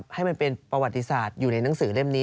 ให้มันเป็นประวัติศาสตร์อยู่ในหนังสือเล่มนี้